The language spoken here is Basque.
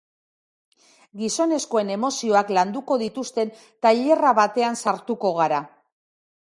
Gizonezkoen emozioak landuko dituzten tailera batean sartuko gara.